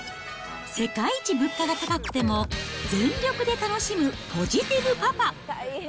世界一物価が高くても、全力で楽しむポジティブパパ。